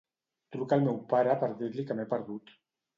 Truca al meu pare per dir-li que m'he perdut.